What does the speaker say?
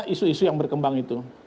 isu isu yang berkembang itu